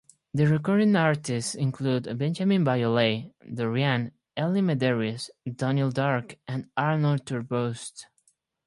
The recording artists include Benjamin Biolay, Doriand, Elli Medeiros, Daniel Darc, and Arnold Turboust.